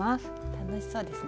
楽しそうですね。